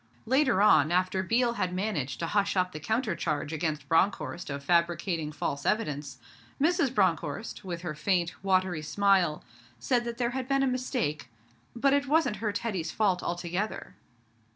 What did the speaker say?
Later on, after Biel had managed to hush up the counter charge against Bronckhorst of fabricating false evidence, Mrs. Bronckhorst, with her faint, watery smile, said that there had been a mistake, but it wasn't her Teddy's fault altogether.